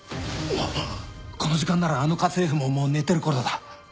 この時間ならあの家政婦ももう寝てる頃だ。